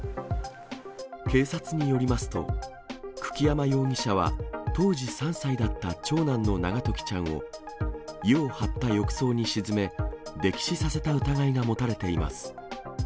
警察によりますと、久木山容疑者は、当時３歳だった長男の永時ちゃんを、湯を張った浴槽に沈め、溺死させた疑いが持たれています。